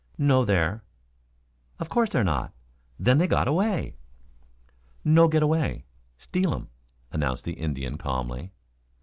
"No there." "Of course they're not. Then they got away." "No get away. Steal um," announced the Indian calmly.